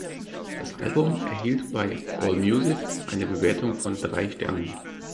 Das Album erhielt bei Allmusic eine Bewertung von drei Sternen.